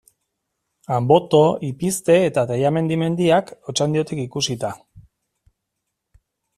Anboto, Ipizte eta Tellamendi mendiak, Otxandiotik ikusita.